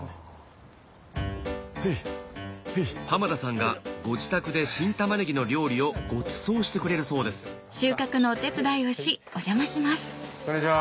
濱田さんがご自宅で新玉ねぎの料理をごちそうしてくれるそうですこんにちは。